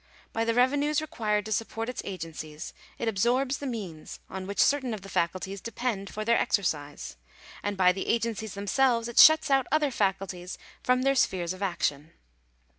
By the revenues required to support its agencies it absorbs the means on which certain of the faculties depend for their exercise ; and by the agencies themselves it shuts out other faculties from their spheres of action.